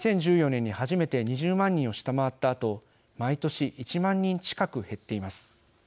２０１４年に初めて２０万人を下回ったあと毎年１万人近く減っています。